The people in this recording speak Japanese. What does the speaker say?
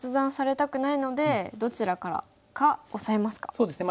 そうですね。